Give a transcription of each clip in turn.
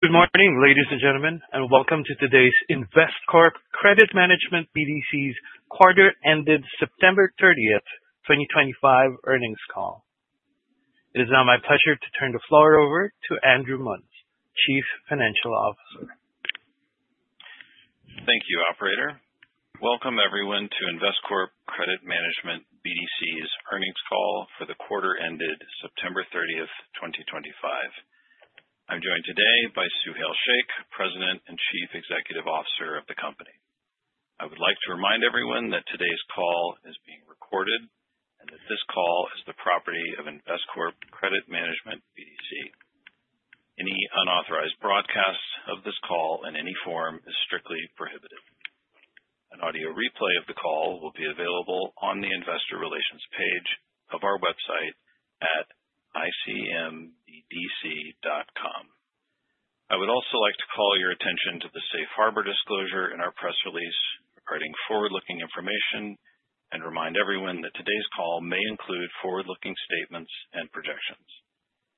Good morning, ladies and gentlemen, and welcome to today's Investcorp Credit Management BDC's quarter-ended September 30th, 2025, earnings call. It is now my pleasure to turn the floor over to Andrew Muns, Chief Financial Officer. Thank you, Operator. Welcome, everyone, to Investcorp Credit Management BDC's earnings call for the quarter-ended September 30th, 2025. I'm joined today by Suhail Shaikh, President and Chief Executive Officer of the company. I would like to remind everyone that today's call is being recorded and that this call is the property of Investcorp Credit Management BDC. Any unauthorized broadcasts of this call in any form are strictly prohibited. An audio replay of the call will be available on the investor relations page of our website at icmbdc.com. I would also like to call your attention to the safe harbor disclosure in our press release regarding forward-looking information and remind everyone that today's call may include forward-looking statements and projections.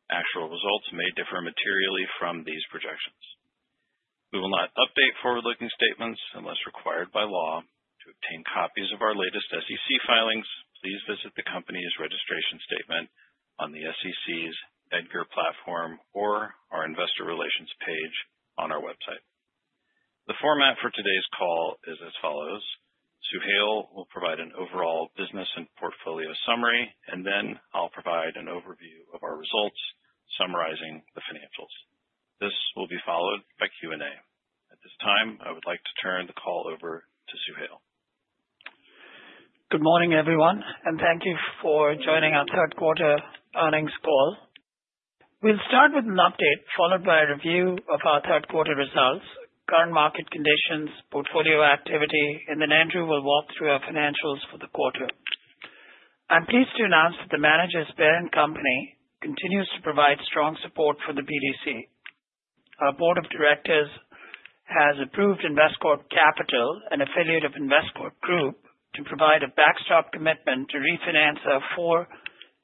Actual results may differ materially from these projections. We will not update forward-looking statements unless required by law. To obtain copies of our latest SEC filings, please visit the company's registration statement on the SEC's EDGAR platform or our investor relations page on our website. The format for today's call is as follows: Suhail will provide an overall business and portfolio summary, and then I'll provide an overview of our results, summarizing the financials. This will be followed by Q&A. At this time, I would like to turn the call over to Suhail. Good morning, everyone, and thank you for joining our third-quarter earnings call. We'll start with an update followed by a review of our third quarter results, current market conditions, portfolio activity, and then Andrew will walk through our financials for the quarter. I'm pleased to announce that the manager's parent company continues to provide strong support for the BDC. Our board of directors has approved Investcorp Capital, an affiliate of Investcorp Group, to provide a backstop commitment to refinance our four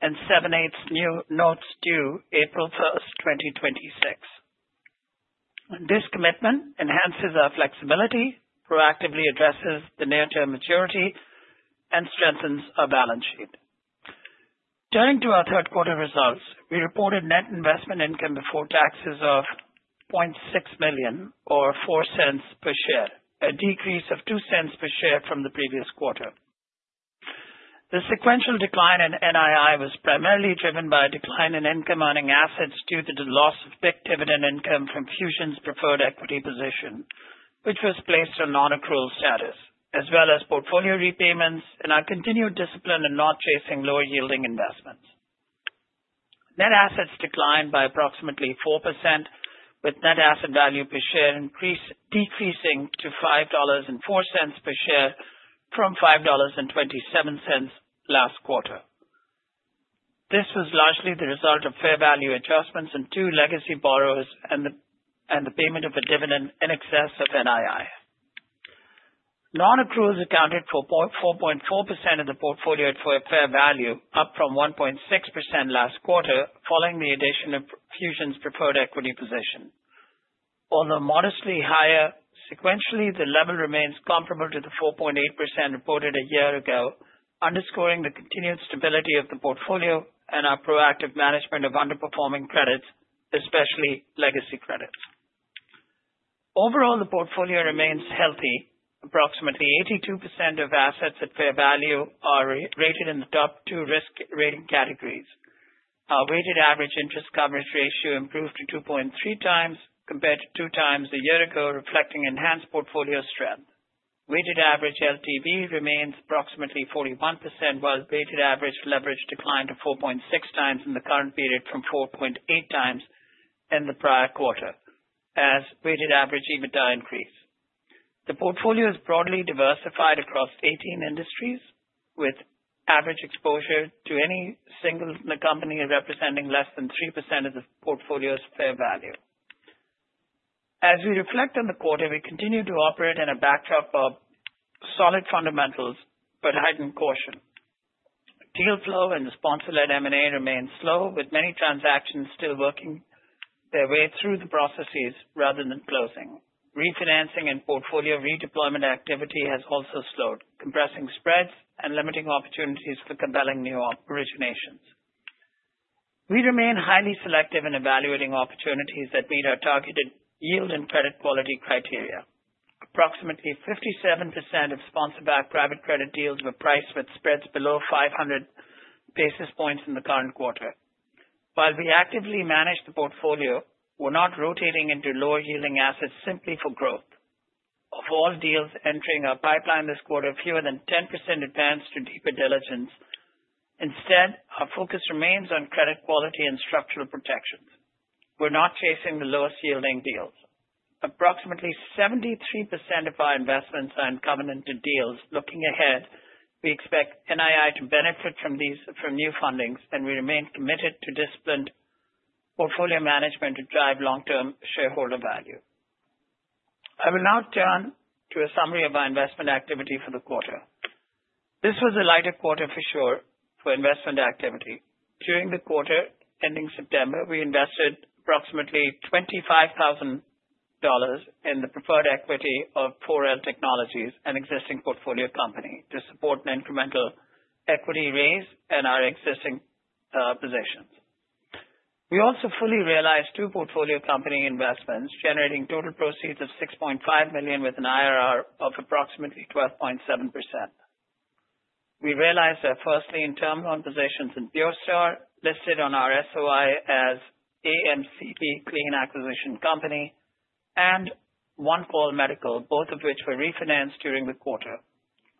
and seven-eighths new notes due April 1st, 2026. This commitment enhances our flexibility, proactively addresses the near-term maturity, and strengthens our balance sheet. Turning to our third quarter results, we reported net investment income before taxes of $0.6 million, or 4 cents per share, a decrease of 2 cents per share from the previous quarter. The sequential decline in NII was primarily driven by a decline in income-earning assets due to the loss of fixed dividend income from Fusion's preferred equity position, which was placed on non-accrual status, as well as portfolio repayments and our continued discipline in not chasing lower-yielding investments. Net assets declined by approximately 4%, with net asset value per share decreasing to $5.04 per share from $5.27 last quarter. This was largely the result of fair value adjustments in two legacy borrowers and the payment of a dividend in excess of NII. Non-accruals accounted for 4.4% of the portfolio at fair value, up from 1.6% last quarter following the addition of Fusion's preferred equity position. Although modestly higher, sequentially, the level remains comparable to the 4.8% reported a year ago, underscoring the continued stability of the portfolio and our proactive management of underperforming credits, especially legacy credits. Overall, the portfolio remains healthy. Approximately 82% of assets at fair value are rated in the top two risk-rated categories. Our weighted average interest coverage ratio improved to 2.3 times compared to 2 times a year ago, reflecting enhanced portfolio strength. Weighted average LTV remains approximately 41%, while weighted average leverage declined to 4.6 times in the current period from 4.8 times in the prior quarter, as weighted average EBITDA increased. The portfolio is broadly diversified across 18 industries, with average exposure to any single company representing less than 3% of the portfolio's fair value. As we reflect on the quarter, we continue to operate in a backdrop of solid fundamentals, but heightened caution. Deal flow and the sponsor-led M&A remain slow, with many transactions still working their way through the processes rather than closing. Refinancing and portfolio redeployment activity has also slowed, compressing spreads and limiting opportunities for compelling new originations. We remain highly selective in evaluating opportunities that meet our targeted yield and credit quality criteria. Approximately 57% of sponsor-backed private credit deals were priced with spreads below 500 basis points in the current quarter. While we actively manage the portfolio, we're not rotating into lower-yielding assets simply for growth. Of all deals entering our pipeline this quarter, fewer than 10% advanced to deeper diligence. Instead, our focus remains on credit quality and structural protections. We're not chasing the lowest-yielding deals. Approximately 73% of our investments are incumbent into deals. Looking ahead, we expect NII to benefit from new fundings, and we remain committed to disciplined portfolio management to drive long-term shareholder value. I will now turn to a summary of our investment activity for the quarter. This was a lighter quarter, for sure, for investment activity. During the quarter ending September, we invested approximately $25,000 in the preferred equity of 4L Technologies, an existing portfolio company, to support an incremental equity raise in our existing positions. We also fully realized two portfolio company investments, generating total proceeds of $6.5 million with an IRR of approximately 12.7%. We realized our first lien term loan positions in PureStar, listed on our SOI as AMCP Clean Acquisition Company, and One Call Medical, both of which were refinanced during the quarter.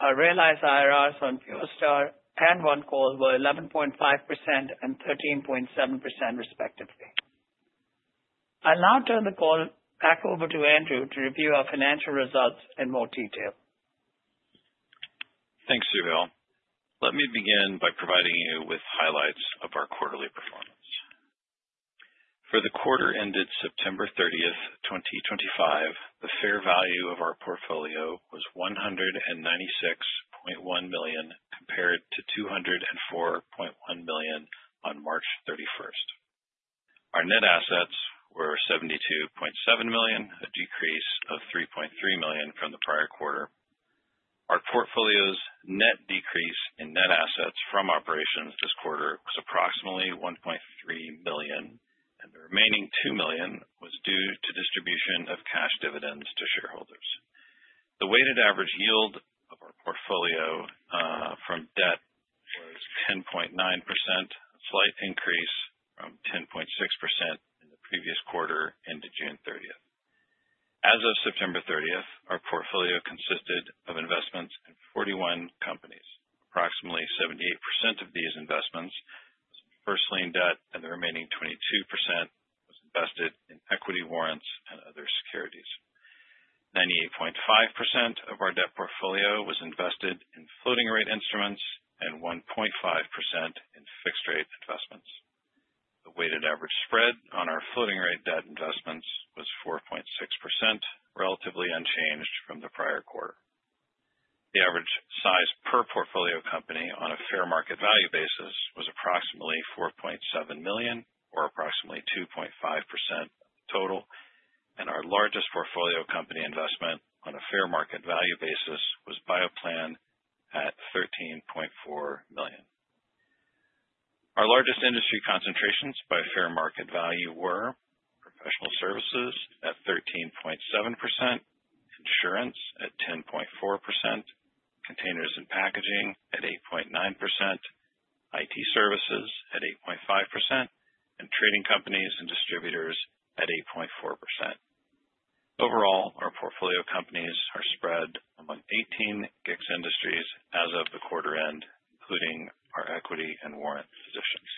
Our realized IRRs on PureStar and One Call were 11.5% and 13.7%, respectively. I'll now turn the call back over to Andrew to review our financial results in more detail. Thanks, Suhail. Let me begin by providing you with highlights of our quarterly performance. For the quarter ended September 30th, 2025, the fair value of our portfolio was $196.1 million compared to $204.1 million on March 31st. Our net assets were $72.7 million, a decrease of $3.3 million from the prior quarter. Our portfolio's net decrease in net assets from operations this quarter was approximately $1.3 million, and the remaining $2 million was due to distribution of cash dividends to shareholders. The weighted average yield of our portfolio from debt was 10.9%, a slight increase from 10.6% in the previous quarter ended June 30th. As of September 30th, our portfolio consisted of investments in 41 companies. Approximately 78% of these investments was in first lien debt, and the remaining 22% was invested in equity warrants and other securities. 98.5% of our debt portfolio was invested in floating-rate instruments and 1.5% in fixed-rate investments. The weighted average spread on our floating-rate debt investments was 4.6%, relatively unchanged from the prior quarter. The average size per portfolio company on a fair market value basis was approximately $4.7 million, or approximately 2.5% of the total, and our largest portfolio company investment on a fair market value basis was Bioplan at $13.4 million. Our largest industry concentrations by fair market value were professional services at 13.7%, insurance at 10.4%, containers and packaging at 8.9%, IT services at 8.5%, and trading companies and distributors at 8.4%. Overall, our portfolio companies are spread among 18 GIX industries as of the quarter end, including our equity and warrant positions.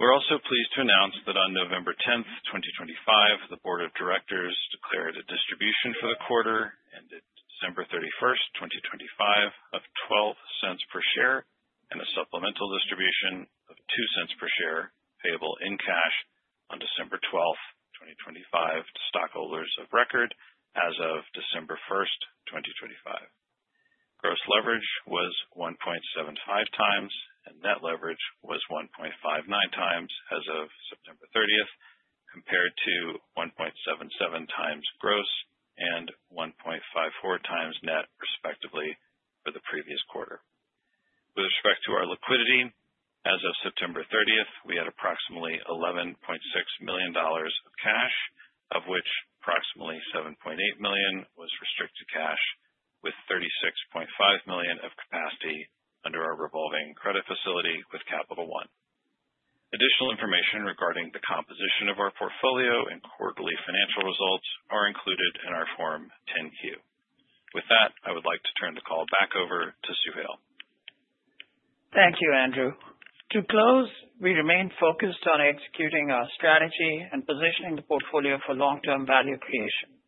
We're also pleased to announce that on November 10th, 2025, the board of directors declared a distribution for the quarter ended December 31st, 2025, of $0.12 per share and a supplemental distribution of $0.02 per share payable in cash on December 12th, 2025, to stockholders of record as of December 1st, 2025. Gross leverage was 1.75 times, and net leverage was 1.59 times as of September 30th, compared to 1.77 times gross and 1.54 times net, respectively, for the previous quarter. With respect to our liquidity, as of September 30th, we had approximately $11.6 million of cash, of which approximately $7.8 million was restricted cash, with $36.5 million of capacity under our revolving credit facility with Capital One. Additional information regarding the composition of our portfolio and quarterly financial results are included in our Form 10-Q. With that, I would like to turn the call back over to Suhail. Thank you, Andrew. To close, we remain focused on executing our strategy and positioning the portfolio for long-term value creation.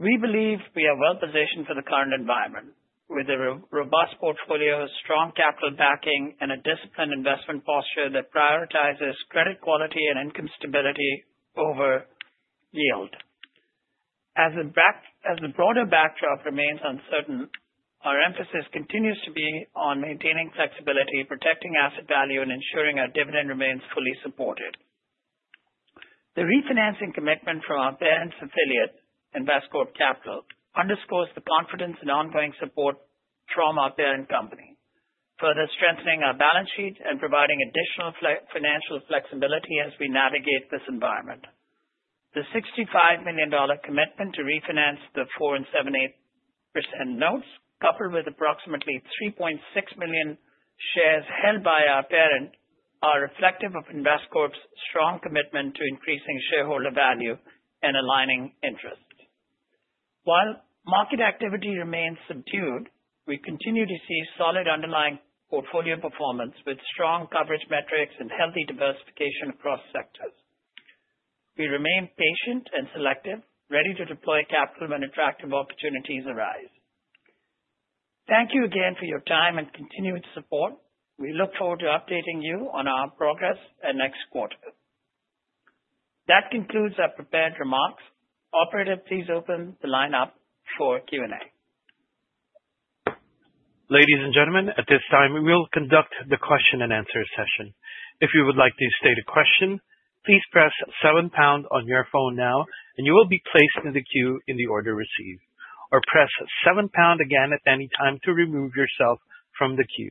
We believe we are well-positioned for the current environment, with a robust portfolio, strong capital backing, and a disciplined investment posture that prioritizes credit quality and income stability over yield. As the broader backdrop remains uncertain, our emphasis continues to be on maintaining flexibility, protecting asset value, and ensuring our dividend remains fully supported. The refinancing commitment from our parent affiliate, Investcorp Capital, underscores the confidence and ongoing support from our parent company, further strengthening our balance sheet and providing additional financial flexibility as we navigate this environment. The $65 million commitment to refinance the 4% and 7.8% notes, coupled with approximately 3.6 million shares held by our parent, are reflective of Investcorp's strong commitment to increasing shareholder value and aligning interests. While market activity remains subdued, we continue to see solid underlying portfolio performance with strong coverage metrics and healthy diversification across sectors. We remain patient and selective, ready to deploy capital when attractive opportunities arise. Thank you again for your time and continued support. We look forward to updating you on our progress next quarter. That concludes our prepared remarks. Operator, please open the line up for Q&A. Ladies and gentlemen, at this time, we will conduct the question-and-answer session. If you would like to state a question, please press seven pound on your phone now, and you will be placed in the queue in the order received, or press seven pound again at any time to remove yourself from the queue.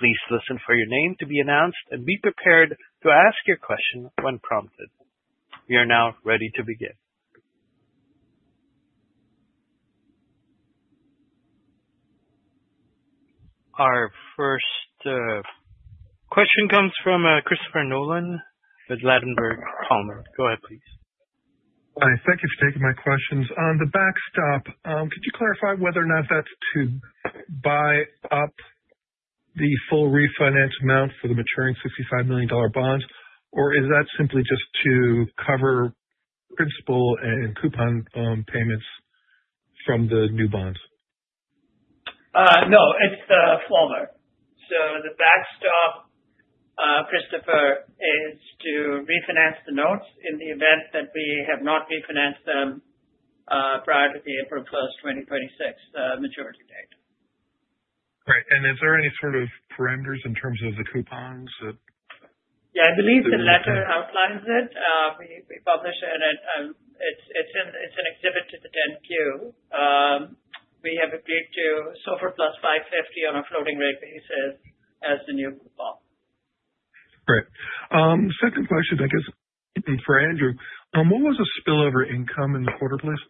Please listen for your name to be announced and be prepared to ask your question when prompted. We are now ready to begin. Our first question comes from Christopher Nolan with Lattenberg Palmer. Go ahead, please. Hi. Thank you for taking my questions. On the backstop, could you clarify whether or not that's to buy up the full refinance amount for the maturing $65 million bonds, or is that simply just to cover principal and coupon payments from the new bonds? No. It's the former. So the backstop, Christopher, is to refinance the notes in the event that we have not refinanced them prior to the April 1st, 2026, maturity date. Right. Is there any sort of parameters in terms of the coupons? Yeah. I believe the letter outlines it. We publish it. It's an exhibit to the 10-Q. We have agreed to SOFR plus 550 on a floating-rate basis as the new coupon. Great. Second question, I guess, for Andrew. What was the spillover income in the quarter, please?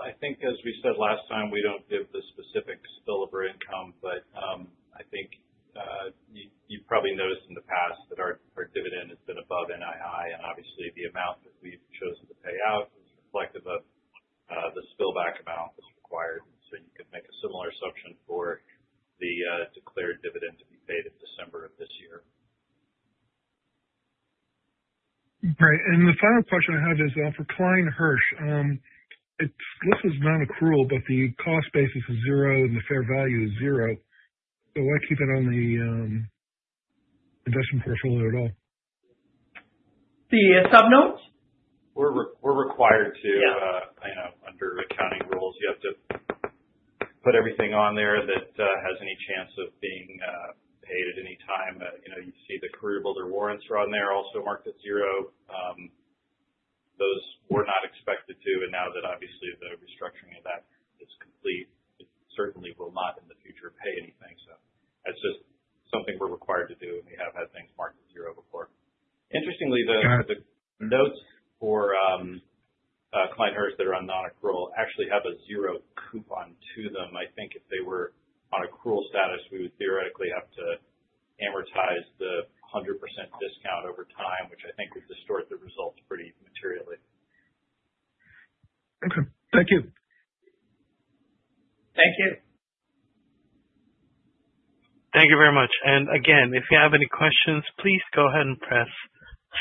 I think, as we said last time, we don't give the specific spillover income, but I think you've probably noticed in the past that our dividend has been above NII, and obviously, the amount that we've chosen to pay out is reflective of the spillback amount that's required. You could make a similar assumption for the declared dividend to be paid in December of this year. Right. The final question I have is for Klein Hersh. This is non-accrual, but the cost basis is zero and the fair value is zero. Why keep it on the investment portfolio at all? The subnotes? We're required to. Yeah. Under accounting rules, you have to put everything on there that has any chance of being paid at any time. You see the CareerBuilder warrants are on there, also marked at zero. Those were not expected to, and now that obviously the restructuring of that is complete, it certainly will not, in the future, pay anything. That is just something we are required to do, and we have had things marked at zero before. Interestingly, the notes for Klein Hersh that are on non-accrual actually have a zero coupon to them. I think if they were on accrual status, we would theoretically have to amortize the 100% discount over time, which I think would distort the results pretty materially. Okay. Thank you. Thank you. Thank you very much. If you have any questions, please go ahead and press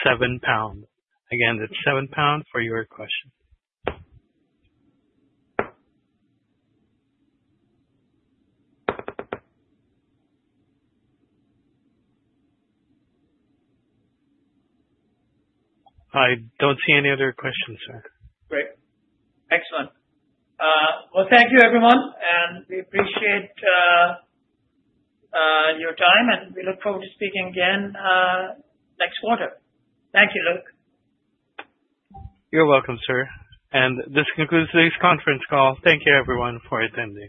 seven pound. Again, it is seven pound for your question. I do not see any other questions, sir. Great. Excellent. Thank you, everyone. We appreciate your time, and we look forward to speaking again next quarter. Thank you, Luke. You're welcome, sir. This concludes today's conference call. Thank you, everyone, for attending.